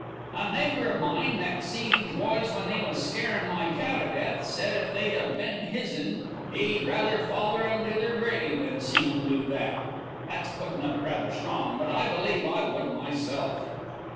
"A neighbor of mine that see these boys when they was scarin' my cow to death said if they'd of been his'n he'd rather foller 'em to their grave than seen 'em do that. That's putting of it rather strong, but I believe I would myself.